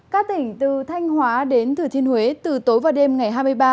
các tỉnh từ thanh hóa đến thừa thiên huế từ tối và đêm ngày hai mươi ba